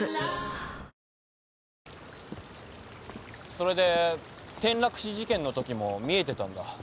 それで転落死事件のときも見えてたんだ？